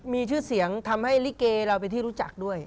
มีชื่อเสียงทำให้ลิเกเราเป็นที่รู้จักด้วย